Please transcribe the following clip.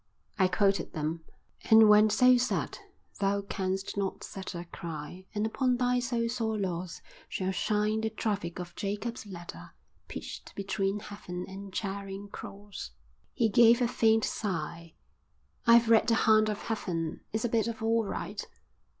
I quoted them. "And when so sad, thou canst not sadder, Cry, and upon thy so sore loss Shall shine the traffic of Jacob's ladder Pitched between Heaven and Charing Cross." He gave a faint sigh. "I've read The Hound of Heaven. It's a bit of all right."